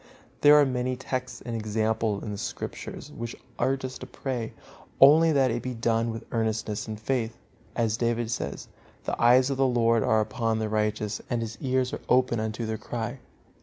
There are many texts and examples in the Scriptures which urge us to pray, only that it be done with earnestness and faith. As David says, "The eyes of the Lord are upon the righteous, and His ears are open unto their cry."